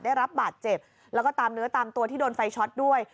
ได้รับบาดเจ็บแล้วก็ตามเนื้อตามตัวที่โดนไฟช็อตด้วย